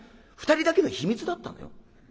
２人だけの秘密だったのよ。